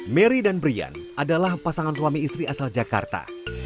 mary dan brian adalah pasangan suami istri asal jakarta